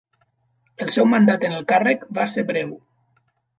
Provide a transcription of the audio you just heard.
El seu mandat en el càrrec va ser breu.